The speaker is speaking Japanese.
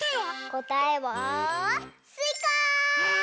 こたえはすいか！